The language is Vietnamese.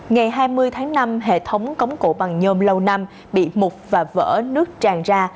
ngày hai mươi tháng năm hệ thống cống cổ bằng nhôm lâu năm bị mục và vỡ nước tràn ra